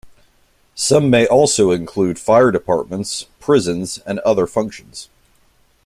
Some may also include fire departments, prisons, and other functions.